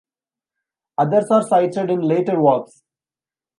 Others are cited in later works.